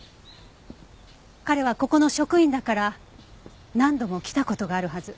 彼はここの職員だから何度も来た事があるはず。